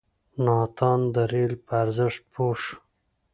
ناتان د رېل په ارزښت پوه شو.